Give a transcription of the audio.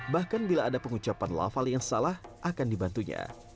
bahkan bila ada pengucapan lafal yang salah akan dibantunya